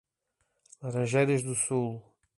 Laranjeiras do Sul